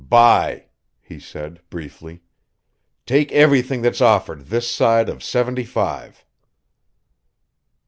"Buy," he said briefly. "Take everything that's offered this side of seventy five."